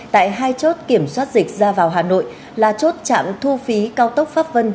tại hai chốt kiểm soát dịch ra vào hà nội là chốt trạm thu phí cao tốc pháp vân